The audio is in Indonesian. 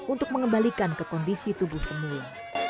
untuk mengembalikan ke kondisi tubuh semua